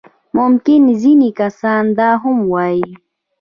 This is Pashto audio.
ممکن ځينې کسان دا هم ووايي.